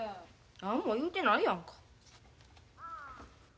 何も言うてないやんか。